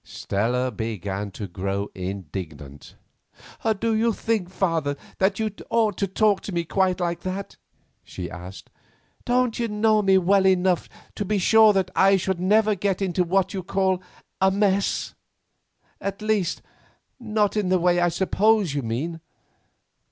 Stella began to grow indignant. "Do you think, father, that you ought to talk to me quite like that?" she asked. "Don't you know me well enough to be sure that I should never get into what you call a mess—at least, not in the way I suppose you mean?